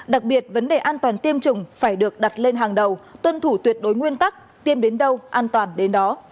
đặc biệt vấn đề an toàn tiêm chủng phải được đặt lên hàng đầu tuân thủ tuyệt đối nguyên tắc tiêm đến đâu an toàn đến đó